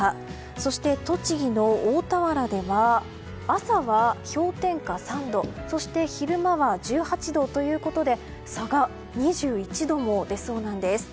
そして、栃木の大田原では朝は氷点下３度そして、昼間は１８度ということで差が２１度も出そうなんです。